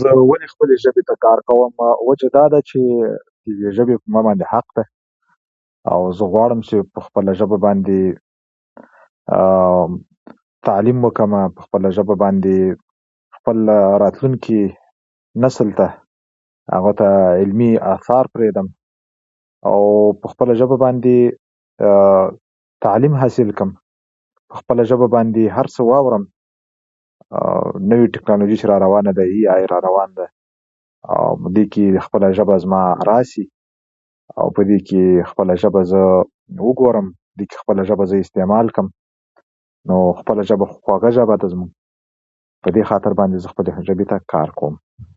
زه ولې خپلې ژبې ته کار کوم وجه داده چې ددې ژبې پر ما حق دی او زه غواړم چې په خپله ژبه باندې تعلیم وکړم خپله ژبه باندې خپل راتلونکي نسل ته علمي آثار پریږدم او په خپله ژبه باندې تعلیم حاصل کړم خپله ژبه باندې هر څه واورم نوي ټيکنالوجي چې راروانه ده اې آی چې راروانه ده او په دې کې خپله ژبه زما راسي او پدې کې خپله ژبه زه وګورم خپله ژبه زه استعمال کړم نو خپله ژبه خو خوږه زمونږ نو پدې خاطر زه خپلې ژبې ته کار کوم